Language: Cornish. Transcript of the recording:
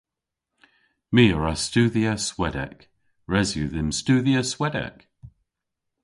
My a wra studhya Swedek. Res yw dhymm studhya Swedek.